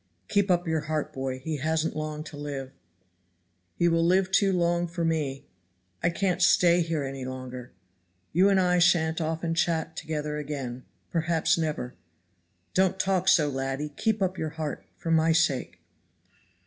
"Keep up your heart, boy; he hasn't long to live." "He will live too long for me. I can't stay here any longer. You and I shan't often chat together again; perhaps never." "Don't talk so, laddie. Keep up your heart for my sake."